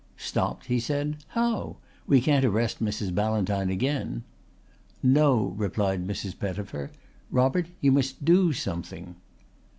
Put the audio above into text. "Stopped?" he said. "How? We can't arrest Mrs. Ballantyne again." "No," replied Mrs. Pettifer. "Robert, you must do something."